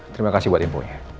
terima kasih buat imponya